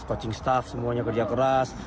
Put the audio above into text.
coaching staff semuanya kerja keras